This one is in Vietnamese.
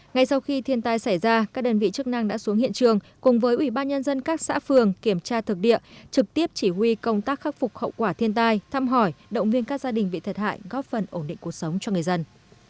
ngay sau khi thiên tai xảy ra các đơn vị chức năng đã xuống hiện trường cùng với ủy ban nhân dân các xã phường kiểm tra thực địa trực tiếp chỉ huy công tác khắc phục hậu quả thiên tai thăm hỏi động viên các gia đình bị thiệt hại góp phần ổn định cuộc sống cho người dân